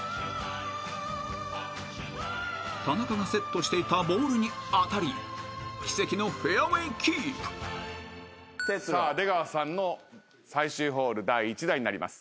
［田中がセットしていたボールに当たり奇跡のフェアウエーキープ］さあ出川さんの最終ホール第１打になります。